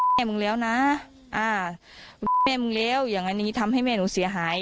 แม่มึงแล้วนะอ่าแม่มึงแล้วอย่างอันนี้ทำให้แม่หนูเสียหาย